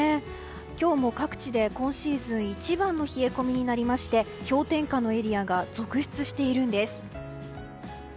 今日も各地で今シーズン一番の冷え込みになりまして氷点下のエリアが続出しているんです。